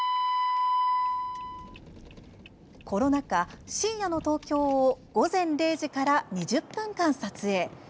コロナ禍、深夜の東京を午前０時から２０分間撮影。